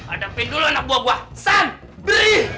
adapin dulu anak buah buah san beri